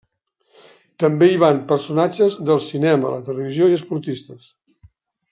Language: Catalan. També hi van personatges del cinema, la televisió i esportistes.